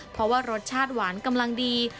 เพราะว่ารสชาติหวานกำลังดี